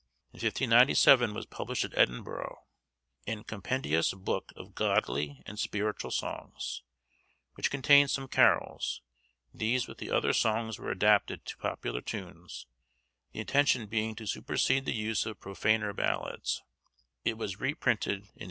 In 1597 was published at Edinburgh, 'Ane Compendioos Booke of Godly and Spirituall Songs,' which contains some carols; these with the other songs were adapted to popular tunes, the intention being to supersede the use of profaner ballads: it was reprinted in 1801.